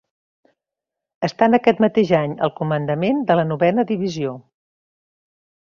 Estant aquest mateix any al comandament de la Novena Divisió.